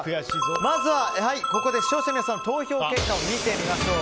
まずはここで視聴者の皆さんの投票結果を見てみましょう。